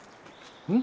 うん？